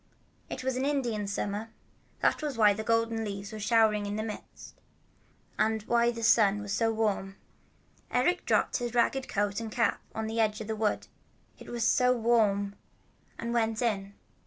It was Indian Summer. That was why the golden leaves were showering in a mist, and why the sun was so warm. Eric dropped his ragged coat and cap on the edge of the wood, it was so warm, and went in.